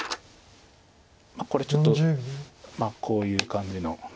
これちょっとこういう感じの。